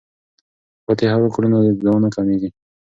که فاتحه وکړو نو دعا نه کمیږي.